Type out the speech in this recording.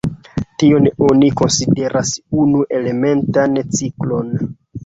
Tion oni konsideras unu-elementan ciklon.